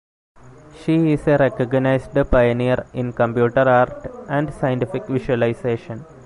She is a recognized pioneer in computer art and scientific visualization.